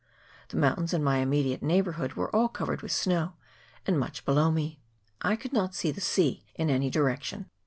The mountains in my immediate neighbour hood were all covered with snow, and much below me. I could not see the sea in any direction.